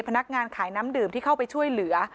พนักงานขายน้ำดื่มที่เข้าไปช่วยเหลือ